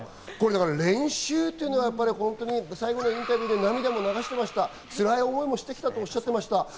練習っていうのはインタビューで涙も流していました、辛い思いもしてきたとおっしゃっていました。